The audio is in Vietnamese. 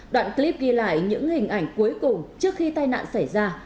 đoạn clip ghi lại những hình ảnh cuối cùng trước khi tai nạn xảy ra